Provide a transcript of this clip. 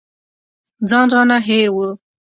ځان رانه هېر و.